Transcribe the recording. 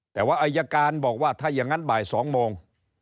แต่ว่าอายการบอกว่าถ้าอย่างนั้นบ่าย๒โมง